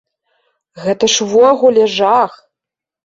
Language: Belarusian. Гэта ж ўвогуле жах!